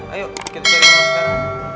ayo kita cari yang lain sekarang